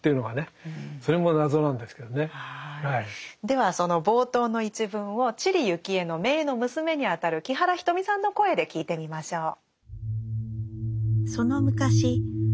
ではその冒頭の一文を知里幸恵の姪の娘にあたる木原仁美さんの声で聞いてみましょう。